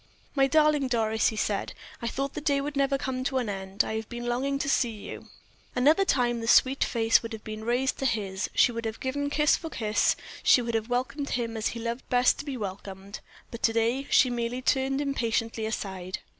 "My darling Doris," he said, "I thought the day would never come to an end. I have been longing to see you." Another time the sweet face would have been raised to his; she would have given kiss for kiss; she would have welcomed him as he loved best to be welcomed; but to day she merely turned impatiently aside.